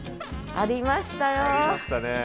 ありましたね。